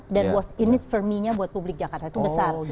dan what's in it for me nya buat publik jakarta itu besar